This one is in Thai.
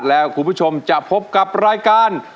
แล้วคุณผู้ชมจะพบกับรายการ